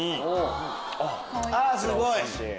あっすごい！